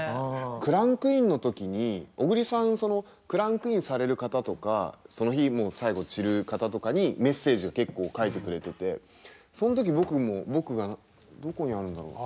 クランクインの時に小栗さんそのクランクインされる方とかその日最後散る方とかにメッセージを結構書いてくれててその時僕も僕がどこにあるんだろう。